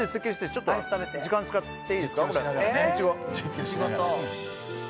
ちょっと時間使っていいですか。